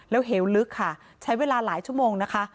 แล้วเหวลึกค่ะใช้เวลาหลายชั่วโมงนะคะ